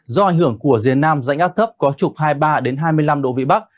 do ảnh hưởng của rìa nam dạnh áp thấp có trục hai mươi ba hai mươi năm độ vị bắc